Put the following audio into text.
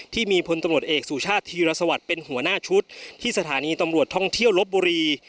พลตำรวจเอกสุชาติธีรสวัสดิ์เป็นหัวหน้าชุดที่สถานีตำรวจท่องเที่ยวลบบุรี